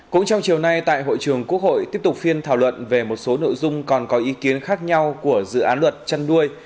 cũng trong chiều nay tại hội trường quốc hội tiếp tục phiên thảo luận về một số nội dung còn có ý kiến khác nhau của dự án luật chăn nuôi